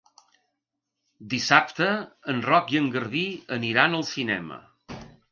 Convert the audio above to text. Dissabte en Roc i en Garbí aniran al cinema.